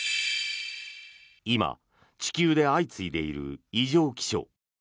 今、地球で相次いでいる異常気象。